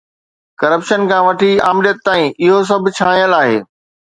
Corruption کان وٺي آمريت تائين، اهو سڀ ڇانيل آهي.